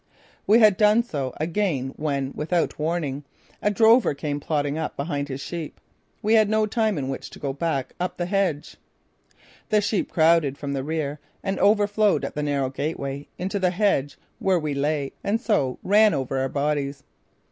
We had done so again when, without warning, a drover came plodding up behind his sheep. We had no time in which to go back up the hedge. The sheep crowded from the rear and overflowed at the narrow gateway into the hedge where we lay and so ran over our bodies.